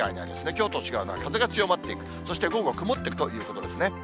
きょうと違うのは風が強まっていく、そして午後は曇っていくということですね。